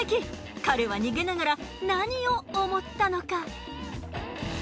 彼は逃げながら何を思ったのか。